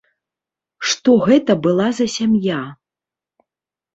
Што гэта была за сям'я?